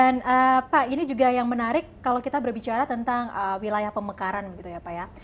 pak ini juga yang menarik kalau kita berbicara tentang wilayah pemekaran begitu ya pak ya